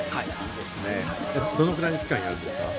どのぐらいの期間やるんですか？